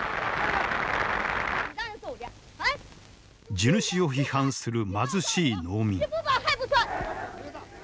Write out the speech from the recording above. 地主を批判する貧しい農民。